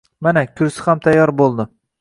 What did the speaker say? Mana, kursi ham tayyor bo`ldi